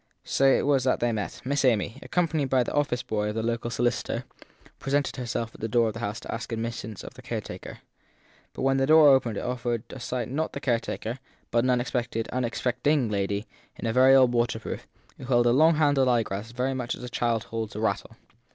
So it was that they met: Miss Amy, accompanied by the office boy of the local solicitor, presented herself at the door of the house to ask admittance of the caretaker. But when the door opened it offered to sight not the caretaker, but an unexpected, unexpect ing lady in a very old waterproof, who held a long handled eyeglass very much as a child holds a rattle.